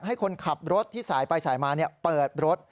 ให้คนขับรถที่สายไปสายมาเปิดรถ